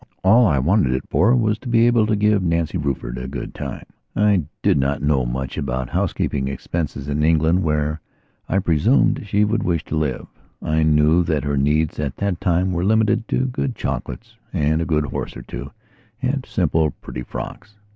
All I wanted it for was to be able to give Nancy Rufford a good time. I did not know much about housekeeping expenses in England where, I presumed, she would wish to live. I knew that her needs at that time were limited to good chocolates, and a good horse or two, and simple, pretty frocks.